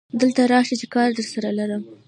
دلته ته راشه چې کار درسره لرم